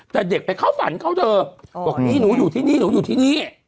แต่เด็กไปเข้าฝันเขาเธอบอกนี่หนูอยู่ที่นี่หนูอยู่ที่นี่